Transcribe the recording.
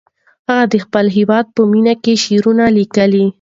هغه د خپل هېواد په مینه کې شعرونه لیکي.